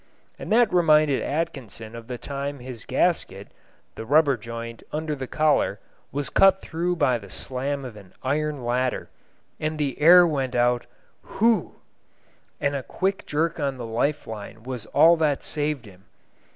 And that reminded Atkinson of the time his gasket (the rubber joint under the collar) was cut through by the slam of an iron ladder, and the air went out "Hooo," and a quick jerk on the life line was all that saved him.